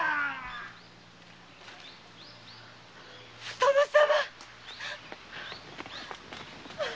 殿様！